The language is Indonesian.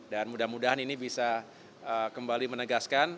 dan mudah mudahan ini bisa kembali menegaskan